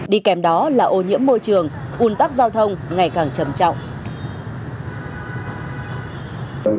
đi kèm đó là ô nhiễm môi trường un tắc giao thông ngày càng trầm trọng